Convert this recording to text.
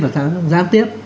và gián tiếp